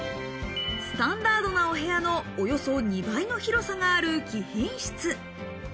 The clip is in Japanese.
スタンダードなお部屋のおよそ２倍の広さがある貴賓室。